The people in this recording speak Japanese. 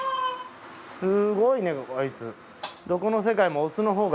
すごいねあいつ。